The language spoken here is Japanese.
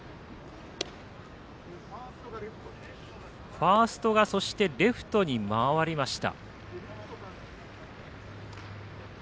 ファーストがレフトに回りました。